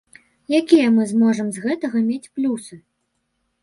Якія мы зможам з гэтага мець плюсы?